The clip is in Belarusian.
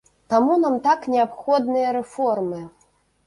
Таму нам так неабходныя рэформы.